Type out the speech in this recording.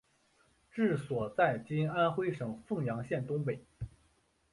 治所在今安徽省凤阳县东北。